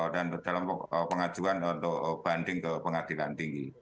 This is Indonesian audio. dan dalam pengajuan untuk banding ke pengadilan tinggi